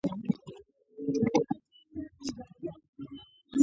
ـ چې راپورې ګورې درپورې ګورم.